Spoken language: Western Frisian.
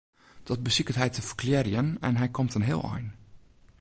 Dat besiket hy te ferklearjen en hy komt in heel ein.